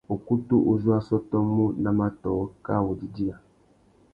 Ukutu uzú a sôtômú nà matōh kā wô didiya.